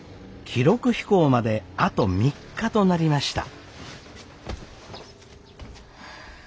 記録飛行まであと３日となりました。